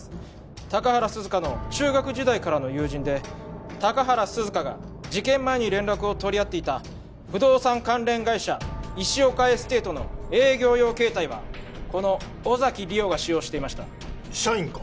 高原涼香の中学時代からの友人で高原涼香が事件前に連絡を取り合っていた不動産関連会社石岡エステートの営業用携帯はこの尾崎莉桜が使用していました社員か？